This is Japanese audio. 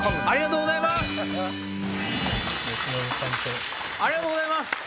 ありがとうございます！